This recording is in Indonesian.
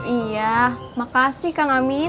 iya makasih kak amin